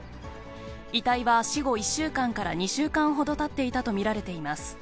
遺体は死後１週間から２週間ほどたっていたと見られています。